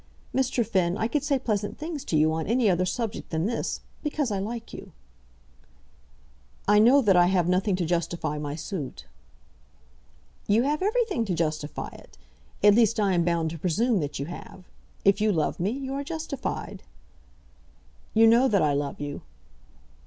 Mr. Finn, I could say pleasant things to you on any other subject than this, because I like you." "I know that I have nothing to justify my suit." "You have everything to justify it; at least I am bound to presume that you have. If you love me, you are justified." "You know that I love you."